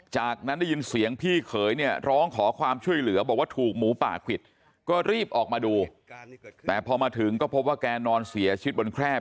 จากนั้นได้ยินเสียงพี่เขยเนี่ยร้องขอความช่วยเหลือบอกว่าถูกหมูป่าควิด